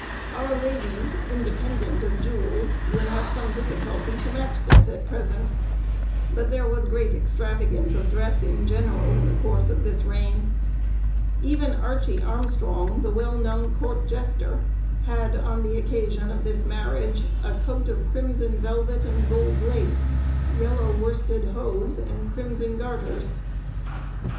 Our ladies (independent of jewels) would have some difficulty to match this at present; but there was great extravagance of dress, in general, in the course of this reign. Even Archie Armstrong, the well known court jester, had, on the occasion of this marriage, a coat of crimson velvet and gold lace, yellow worsted hose, and crimson garters.